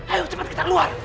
ayo cepat kita keluar